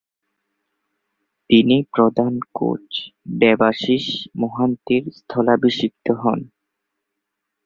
তিনি প্রধান কোচ দেবাশীষ মোহন্তি’র স্থলাভিষিক্ত হন।